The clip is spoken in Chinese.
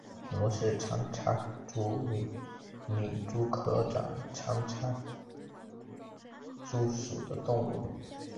罗氏长插蛛为皿蛛科长插蛛属的动物。